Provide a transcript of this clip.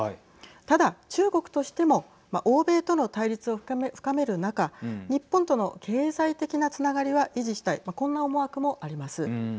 ただ、中国としても欧米との対立を深める中日本との経済的なつながりは維持したいこんな思惑もあります。